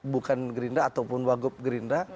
bukan gerindra ataupun wagup gerindra